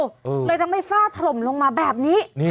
เลยทำให้ฝ้าถล่มลงมาแบบนี้